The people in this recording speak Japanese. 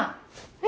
え？